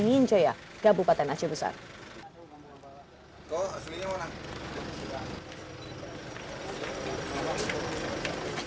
ketika pengecekan ini berhasil ditangkap nabi nabi yang berhasil ditangkap